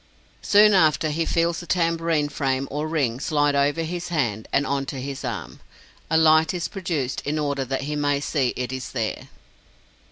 Soon after he feels the tambourine frame or ring slide over his hand and on to his arm. A light is produced in order that he may see it is there.